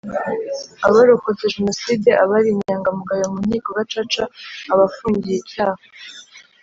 abarokotse Jenoside abari inyangamugayo mu Nkiko Gacaca abafungiye icyaha